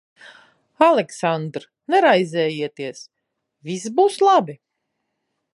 Aleksandr, neraizējieties. Viss būs labi.